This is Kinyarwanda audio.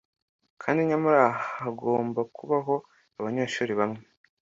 kandi nyamara hagomba kubaho abanyeshuri bamwe